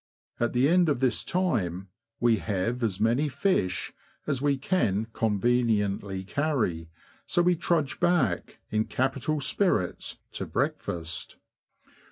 At the end of this time v^^e have as many fish as we can conveniently carry, so we trudge back, in capital spirits, to breakfast.